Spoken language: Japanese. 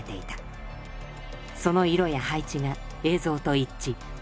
その色や配置が映像と一致。